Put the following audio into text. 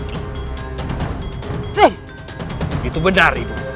satu braja sengkala braja geni dan braja musuh satu braja sengkala braja geni dan braja musuh